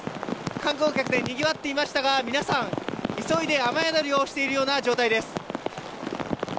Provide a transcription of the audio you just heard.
観光客でにぎわっていましたが、皆さん、急いで雨宿りをしているような状態です。